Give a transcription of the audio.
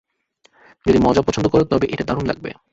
যদি মজা পছন্দ কর তবে এটা দারুণ লাগবে।